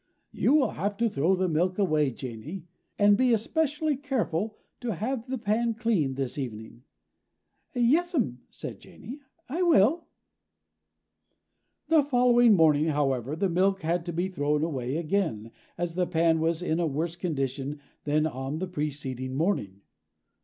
"You will have to throw the milk away, Janey, and be especially careful to have the pan clean this evening." "Yes'm," said Janey, "I will." The following morning, however, the milk had to be thrown away again, as the pan was in a worse condition than on the preceding morning.